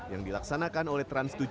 yang dilaksanakan oleh trans tujuh